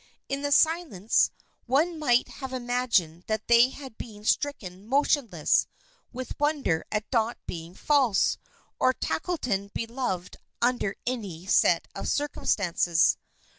In the silence one might have imagined that they had been stricken motionless with wonder at Dot being false, or Tackleton beloved under any set of circumstances.